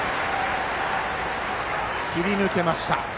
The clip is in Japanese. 切り抜けました。